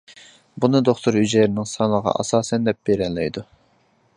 بۇنى دوختۇر ھۈجەيرىنىڭ سانىغا ئاساسەن دەپ بېرەلەيدۇ.